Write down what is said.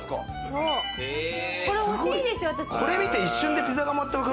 これ欲しいんですよ、私。